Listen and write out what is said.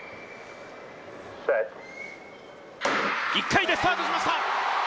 １回でスタートしました。